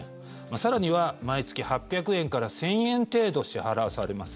更には毎月８００円から１０００円程度支払わされます。